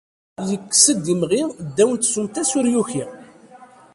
Yekkes-d imɣi ddaw n tsumta-s ur yuki.